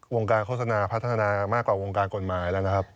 วงการโฆษณาพัฒนามากกว่าวงการกฎหมายแล้วนะครับ